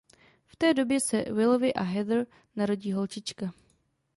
V té době se Willovi a Heather narodí holčička.